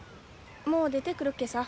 もう出てくるっけさ。